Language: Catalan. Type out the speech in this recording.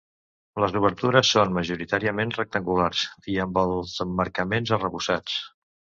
Les obertures són majoritàriament rectangulars i amb els emmarcaments arrebossats.